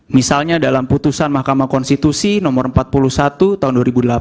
misalnya dalam putusan mahkamah konstitusi nomor empat puluh satu tahun dua ribu delapan